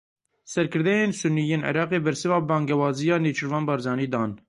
Serkirdeyên Sunî yên Iraqê bersiva bangewaziya Nêçîrvan Barzanî dan.